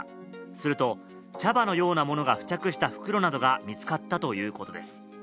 すると茶葉のようなものが付着した袋などが見つかったということです。